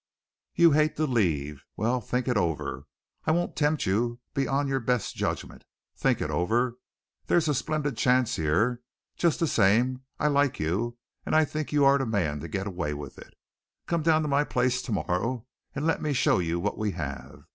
You hate to leave. Well, think it over. I won't tempt you beyond your best judgment. Think it over. There's a splendid chance here. Just the same, I like you, and I think you are the man to get away with it. Come down to my place tomorrow and let me show you what we have.